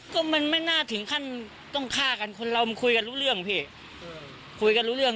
ก็มันไม่น่าถึงขั้นต้องฆ่ากันคนเรามันคุยกันรู้เรื่องพี่คุยกันรู้เรื่อง